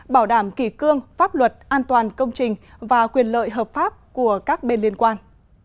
bảo đảm kỷ cương pháp luật an toàn công trình và quyền lợi hợp pháp của các bên liên quan